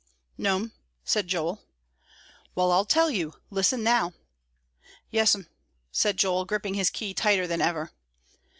"No'm," said Joel. "Well, I'll tell you; listen, now." "Yes'm," said Joel, gripping his key tighter than ever.